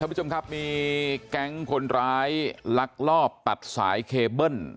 สวัสดีคุณผู้ชมครับมีแกงคนร้ายลักลอบตัดสายเคเบิ้ล